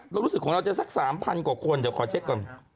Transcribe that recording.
รู้สึกของเราจะสัก๓๐๐กว่าคนเดี๋ยวขอเช็คก่อน